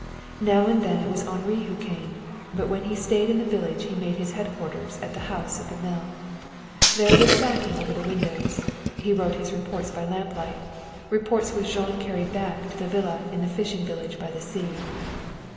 Now and then it was Henri who came, but when he stayed in the village he made his headquarters at the house of the mill. There, with sacking over the windows, he wrote his reports by lamplight, reports which Jean carried back to the villa in the fishing village by the sea.